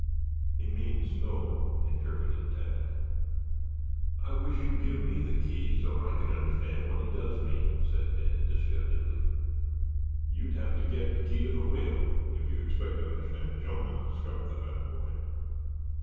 "He means no," interpreted Tad. "I wish you'd give me the key so I could understand what he does mean," said Ned disgustedly. "You'd have to get the key to the whale, if you expect to understand Jonah," scoffed the fat boy.